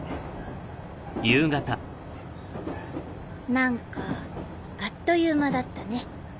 何かあっという間だったね。